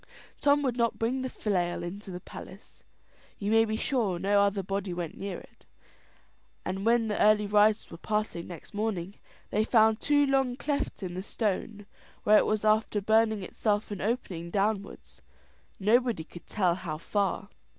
Tom would not bring the flail into the palace. You may be sure no other body went near it; and when the early risers were passing next morning, they found two long clefts in the stone, where it was after burning itself an opening downwards, nobody could tell how far.